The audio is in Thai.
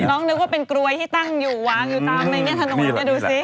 น้องนึกว่าเป็นกลวยที่ตั้งอยู่วังอยู่ตามใบเงี่ยรถถนวกดูซิ